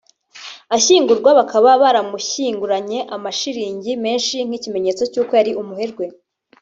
Ashyingurwa bakaba baramushyinguranye amashiringi menshi nk’ikimenyetso cyuko yari umuherwe